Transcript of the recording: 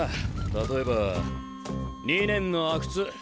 例えば２年の阿久津。